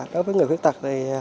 đối với người khuyết tật